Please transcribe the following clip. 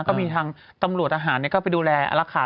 ก็มีทางตำรวจทหารก็ไปดูแลรักษา